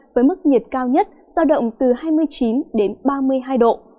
với mức nhiệt cao nhất giao động từ hai mươi chín đến ba mươi hai độ